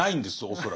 恐らく。